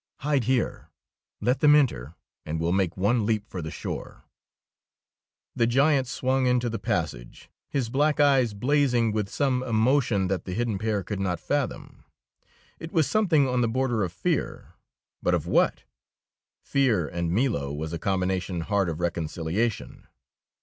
Hide here. Let them enter, and we'll make one leap for the shore." The giant swung into the passage, his black eyes blazing with some emotion that the hidden pair could not fathom. It was something on the border of fear, but of what? Fear and Milo was a combination hard of reconciliation.